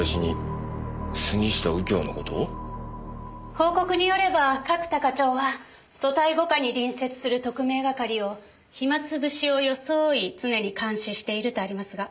報告によれば角田課長は組対５課に隣接する特命係を暇潰しを装い常に監視しているとありますが。